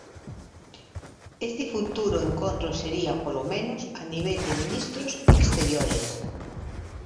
Este futuro encontro sería "polo menos" a nivel de ministros de Exteriores.